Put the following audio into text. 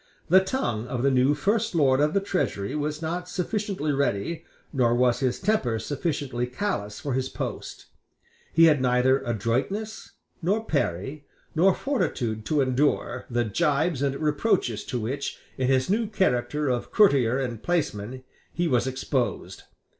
The tongue of the new First Lord of the Treasury was not sufficiently ready, nor was his temper sufficiently callous for his post. He had neither adroitness to parry, nor fortitude to endure, the gibes and reproaches to which, in his new character of courtier and placeman, he was exposed.